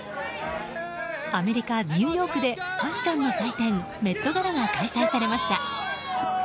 アメリカ・ニューヨークでファッションの祭典メットガラが開催されました。